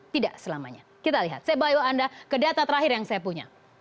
tidak selamanya kita lihat saya bawa anda ke data terakhir yang saya punya